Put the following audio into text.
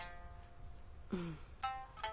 うん。